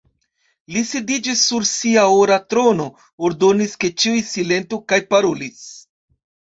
Li sidiĝis sur sia ora trono, ordonis, ke ĉiuj silentu kaj parolis: